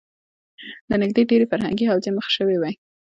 د نړۍ ډېری فرهنګې حوزې مخ شوې وې.